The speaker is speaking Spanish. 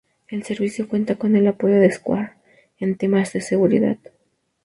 El servicio cuenta con el apoyo de "Square" en temas de seguridad.